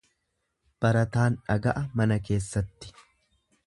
Barataan dhaga'a mana keessatti.